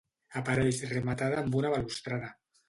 Apareix rematada amb una balustrada.